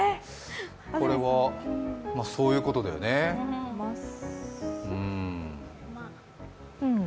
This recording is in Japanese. これはそういうことだよね、うん。